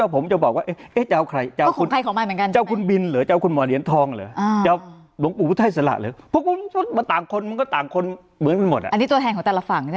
เพราะคุณต่างคนอันนี้ต้นด้านแห่งของศพทุกคน